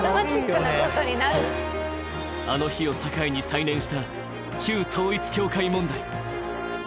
あの日を境に再燃した旧統一教会問題。